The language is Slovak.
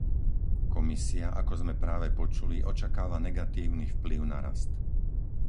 Komisia, ako sme práve počuli, očakáva negatívny vplyv na rast.